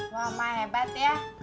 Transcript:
wah mak hebat ya